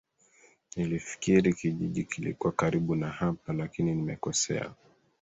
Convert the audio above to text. Nilifikiri kijiji kilikuwa karibu na hapa, lakini nimekosea.